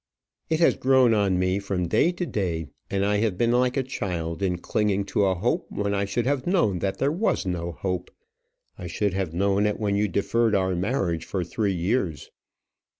"It has grown on me from day to day; and I have been like a child in clinging to a hope when I should have known that there was no hope. I should have known it when you deferred our marriage for three years."